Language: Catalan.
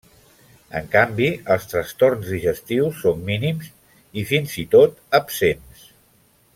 En canvi, els trastorns digestius són mínims i, fins i tot, absents.